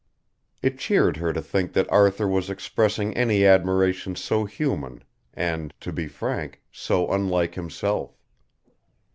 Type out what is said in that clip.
It cheered her to think that Arthur was expressing any admiration so human and, to be frank, so unlike himself.